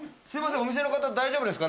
お店の方大丈夫ですか？